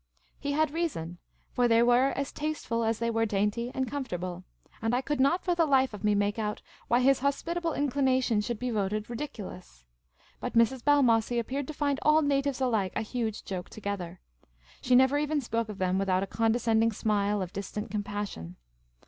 He had reason, for they were as tasteful as they were dainty and comfortable. And I could not for the life of me The Magnificent Maharajah 247 make out why his hospitable indinatioii should be voted " ridiculous." But Mrs. Balniossie appeared to find all natives alike a huge joke together. She never even spoke of them without a condescending smile of distant compassion.